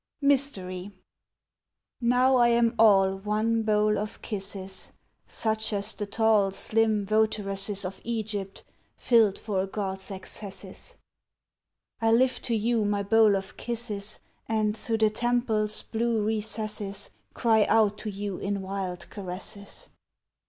MYSTERY Now I am all One bowl of kisses, Such as the tall Slim votaresses Of Egypt filled For a God's excesses. I lift to you My bowl of kisses, And through the temple's Blue recesses Cry out to you In wild caresses.